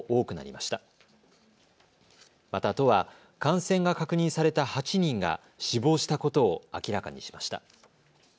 また都は感染が確認された８人が死亡したことを明らかにしました。